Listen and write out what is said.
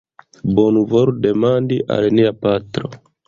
Bonvolu demandi al nia patro